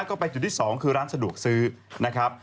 ก็ไปจุดที่๒คือร้านสะดวกซื้อนะครับ